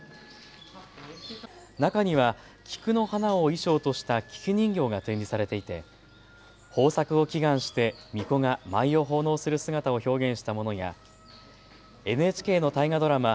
中には菊の花を衣装とした菊人形が展示されていて豊作を祈願して、みこが舞を奉納する姿を表現したものやＮＨＫの大河ドラマ